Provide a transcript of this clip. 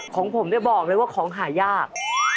ของผมเนี่ยบอกเลยว่าของหายาก